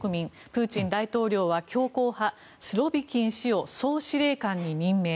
プーチン大統領は強硬派スロビキン氏を総司令官に任命。